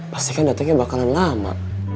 pasti kan datangnya bakalan lama